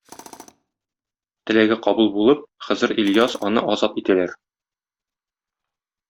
Теләге кабул булып, Хозыр Ильяс аны азат итәләр